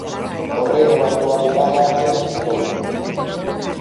O rei levantou a mirada e espetoulle: